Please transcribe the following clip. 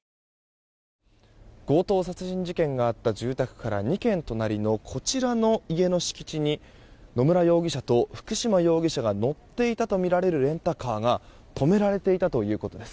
強盗殺人事件があった住宅から２軒隣のこちらの家の敷地に野村容疑者と福島容疑者が乗っていたとみられるレンタカーが止められていたということです。